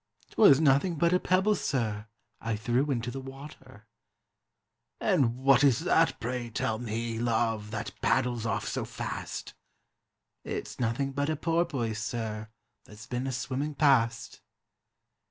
"'T was nothing but a pebble, sir, I threw into the water." "And what is that, pray tell me, love, that paddles off so fast?" "It's nothing but a porpoise, sir, that 's been a swimming past."